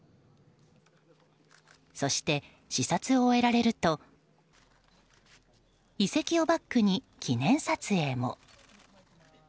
そして視察を終えられると遺跡をバックに記念撮影も。